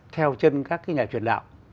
theo chân các nhà truyền đạo